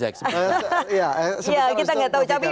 kita nggak tahu tapi